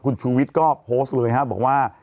คุณชูวิทก็โพสต์บอกว่า